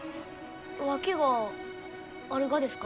訳があるがですか？